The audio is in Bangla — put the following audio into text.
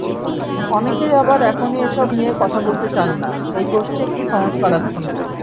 অনেকেই আবার এখনই এসব নিয়ে কথা বলতে চান না—এই গোষ্ঠী একটু সংস্কারাচ্ছন্ন।